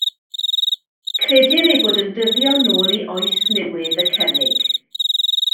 Credir eu bod yn dyddio yn ôl i Oes Newydd y Cerrig.